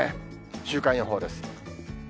週間予報です。